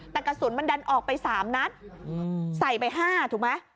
แต่กระสุนมันดันออกไป๓นัดใส่ไป๕ถูกไหม